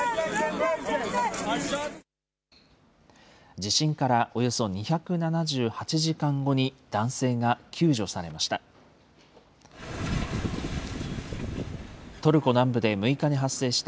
地震からおよそ２７８時間後に男性が救助されました。